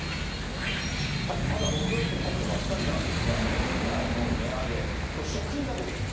まだ６月に入ったばっかりなんですが、年内の値上げ、これ、食品だけです。